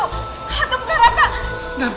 hantu bukan rasa